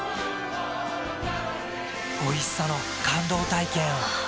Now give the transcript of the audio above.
おいしさの感動体験を。